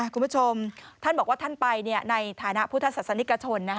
คุณผู้ชมท่านบอกว่าท่านไปในฐานะพุทธศาสนิกชน